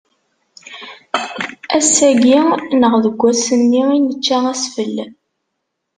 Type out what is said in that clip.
Ass-agi neɣ deg wass-nni i nečča asfel.